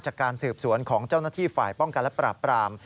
จากการสืบสวนของเจ้าหน้าที่ฝ่ายป้องกันและปราบปราม